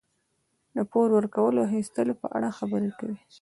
د پور ورکولو او اخیستلو په اړه خبرې کوي.